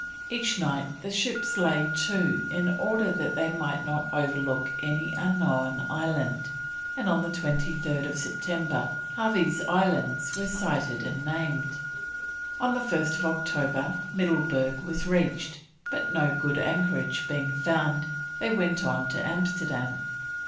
Each night the ships lay to in order that they might not overlook any unknown island, and on 23rd September Harvey's Islands were sighted and named. On 1st October Middleburg was reached, but no good anchorage being found, they went on to Amsterdam.